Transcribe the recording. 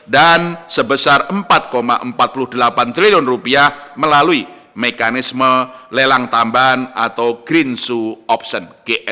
dan sebesar rp empat empat puluh delapan triliun melalui mekanisme lelang tambahan atau green zoo option